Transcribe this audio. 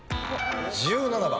１７番。